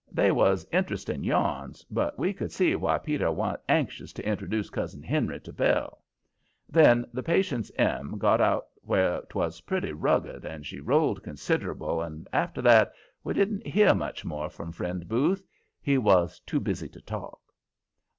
They was interesting yarns, but we could see why Peter wa'n't anxious to introduce Cousin Henry to Belle. Then the Patience M. got out where 'twas pretty rugged, and she rolled consider'ble and after that we didn't hear much more from friend Booth he was too busy to talk.